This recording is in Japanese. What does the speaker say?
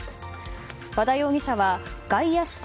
和田容疑者は外野手指定